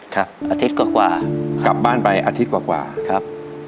ครับอาทิตย์กว่ากว่ากลับบ้านไปอาทิตย์กว่ากว่าครับ